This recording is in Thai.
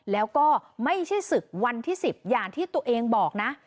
แล้วก็ไม่ใช่ศึกวันที่๑๐อย่างที่ตัวเองบอกนะ